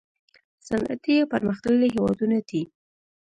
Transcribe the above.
صنعتي یا پرمختللي هیوادونه دي.